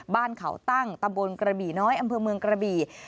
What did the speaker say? บ้านเขาตั้งตำบลกระบี่น้อยอำเภอเมืองกระบี่